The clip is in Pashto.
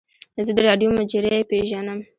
زه د راډیو مجری پیژنم.